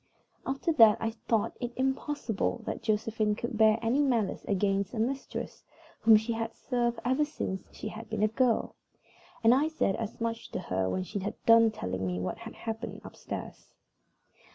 After that I thought it impossible that Josephine could bear any malice against a mistress whom she had served ever since she had been a girl, and I said as much to her when she had done telling me what had happened upstairs.